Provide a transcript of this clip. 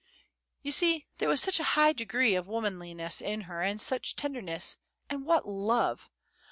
"You see, there was such high degree of womanliness in her, and such tenderness, and what love!